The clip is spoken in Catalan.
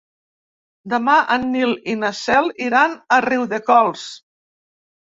Demà en Nil i na Cel iran a Riudecols.